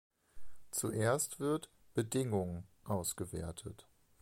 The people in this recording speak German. Zuerst wird "Bedingung" ausgewertet.